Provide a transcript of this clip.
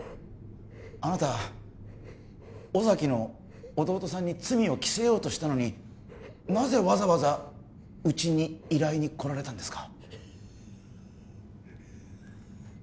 あなた尾崎の弟さんに罪を着せようとしたのになぜわざわざうちに依頼に来られたんですか？